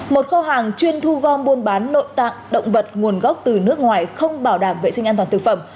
một kho hàng chuyên thu gom buôn bán nội tạng động vật nguồn gốc từ nước ngoài không bảo đảm vệ sinh an toàn thực phẩm